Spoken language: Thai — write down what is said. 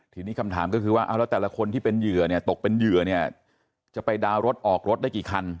ทีนี้คำถามก็คือว่าเอาแล้วแต่ละคนที่เป็นเหยื่อเนี่ยตกเป็นเหยื่อเนี่ยจะไปดาวน์รถออกรถได้กี่คัน